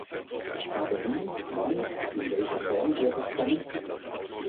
Aber wie, wann, in welcher Form wird es kommen?